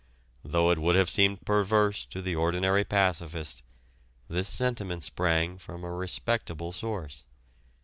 Though it would have seemed perverse to the ordinary pacificist, this sentiment sprang from a respectable source.